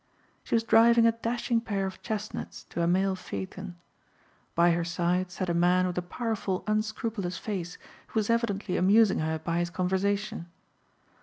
She was driving a dashing pair of chestnuts to a mail phaeton. By her side sat a man with a powerful unscrupulous face who was evidently amusing her by his conversation.